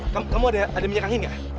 gini kamu ada minyak angin gak